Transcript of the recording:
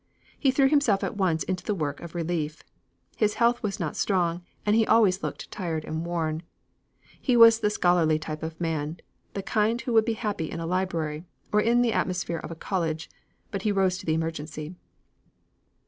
He threw himself at once into the work of relief. His health was not strong and he always looked tired and worn. He was the scholarly type of man, the kind who would be happy in a library, or in the atmosphere of a college, but he rose to the emergency.